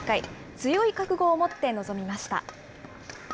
強い覚悟を持って臨みました。